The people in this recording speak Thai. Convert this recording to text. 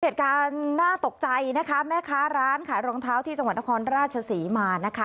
เหตุการณ์น่าตกใจนะคะแม่ค้าร้านขายรองเท้าที่จังหวัดนครราชศรีมานะคะ